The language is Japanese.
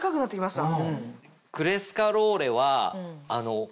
クレスカローレは。